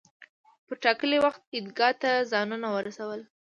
پر ټاکلي وخت عیدګاه ته ځانونه ورسول.